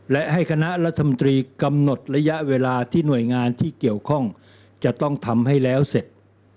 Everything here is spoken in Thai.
และให้คณะรัฐมนตรีกำหนดระยะเวลาที่หน่วยงานที่เกี่ยวข้องจะต้องทำให้แล้วเสร็จ